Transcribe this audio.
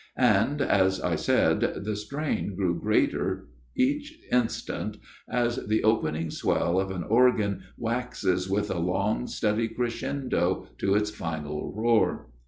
And, as I said, the strain grew greater each instant, as the opening swell of an organ waxes with a long steady crescendo to its final roar.